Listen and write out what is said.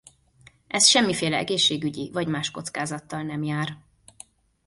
Ez semmiféle egészségügyi vagy más kockázattal nem jár.